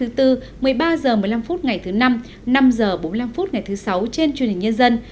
một mươi ba h một mươi năm phút ngày thứ năm năm h bốn mươi năm phút ngày thứ sáu trên truyền nhân dân